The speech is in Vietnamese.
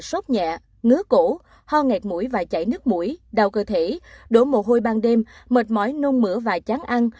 sốt nhẹ ngứa cổ ho ngạt mũi và chảy nước mũi đau cơ thể đổ mồ hôi ban đêm mệt mỏi nung mửa và chán ăn